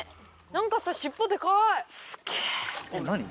何かさ尻尾デカい。